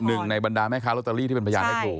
หนึ่งในบรรดาแม่ค้าลอตเตอรี่ที่เป็นพยานไม่ถูก